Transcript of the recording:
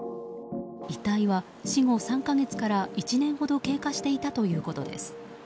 遺体は死後３か月から１年ほど経過していたということです。